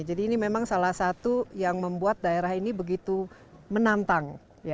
jadi ini memang salah satu yang membuat daerah ini begitu menantang